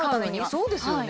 そうですよね。